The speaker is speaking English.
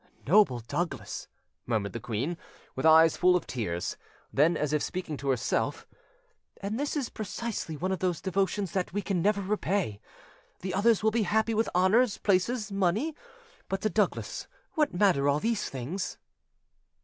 "Noble Douglas!" murmured the queen, with eyes full of tears; then, as if speaking to herself, "And this is precisely one of those devotions that we can never repay. The others will be happy with honours, places, money; but to Douglas what matter all these things?"